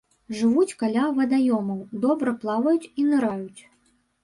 Жывуць каля вадаёмаў, добра плаваюць і ныраюць.